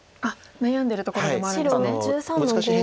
悩んでるところでもあるんですね。